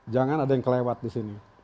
jangan ada yang kelewat disini